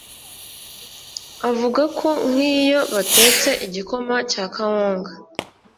Avuga ko nk’iyo batetse igikoma cya kawunga